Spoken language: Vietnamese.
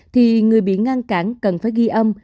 thì người bị ngăn cản cần phải ghi âm